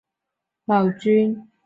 太清观主祀太上老君。